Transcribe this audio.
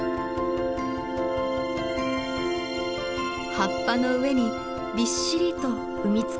葉っぱの上にびっしりと産み付けられました。